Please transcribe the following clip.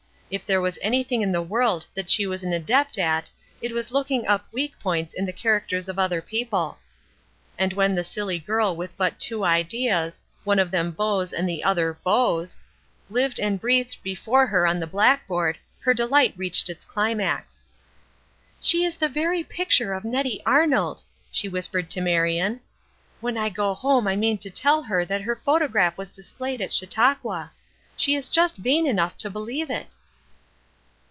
If there was anything in the world that she was an adept at it was looking up weak points in the characters of other people; and when the silly girl with but two ideas one of them bows and the other beaux lived and breathed before her on the blackboard her delight reached its climax. "She is the very picture of Nettie Arnold!" she whispered to Marion. "When I go home I mean to tell her that her photograph was displayed at Chautauqua. She is just vain enough to believe it!"